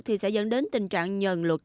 thì sẽ dẫn đến tình trạng nhờn luật